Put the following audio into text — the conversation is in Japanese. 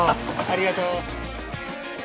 ありがとう。